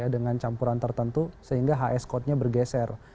dengan campuran tertentu sehingga hs code nya bergeser